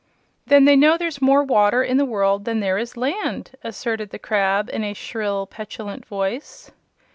"Then they know there's more water in the world than there is land," asserted the crab, in a shrill, petulant voice.